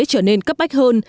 trở nên cấp bách hơn